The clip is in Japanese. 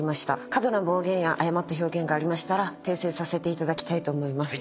過度な暴言や誤った表現がありましたら訂正させていただきたいと思います。